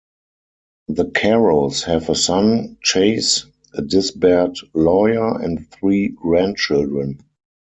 The Caros have a son, Chase, a disbarred lawyer, and three grandchildren.